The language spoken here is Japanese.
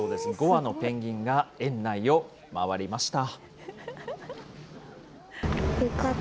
５羽のペンギンが園内を回りました。